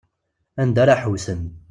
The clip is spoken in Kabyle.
Anda ara ḥewsen.